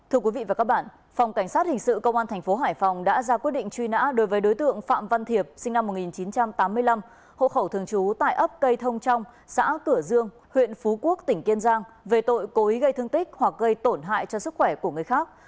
hành sự công an thành phố hải phòng đã ra quyết định truy nã đối với đối tượng phạm văn thiệp sinh năm một nghìn chín trăm tám mươi năm hộ khẩu thường trú tại ấp cây thông trong xã cửa dương huyện phú quốc tỉnh kiên giang về tội cố ý gây thương tích hoặc gây tổn hại cho sức khỏe của người khác